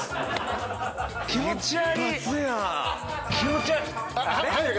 気持ち悪い。